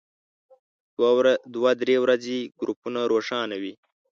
دوه درې ورځې ګروپونه روښانه وي.